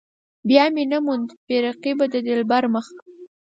بیا مې نه موند بې رقيبه د دلبر مخ.